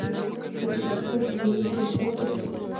د مقرراتو له مخې بندي مکلفیت درلود.